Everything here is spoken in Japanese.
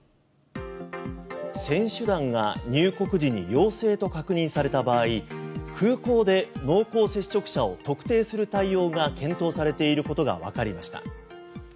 選手団が入国時に陽性と確認された場合空港で濃厚接触者を特定する対応が検討されていることがわかりました。